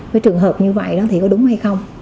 cái trường hợp như vậy đó thì có đúng hay không